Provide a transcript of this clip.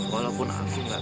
walaupun aku gak